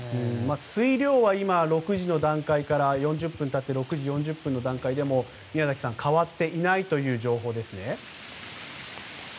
水量は６時の段階から４０分経って６時４０分の段階で変わっていないという情報ですね。